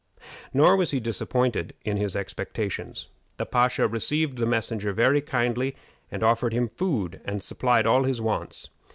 Nor was he disappointed in his expectations. The pasha received the messenger very kindly, offered him food, and supplied all his wants.